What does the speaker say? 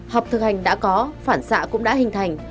học thực hành đã có phản xạ cũng đã hình thành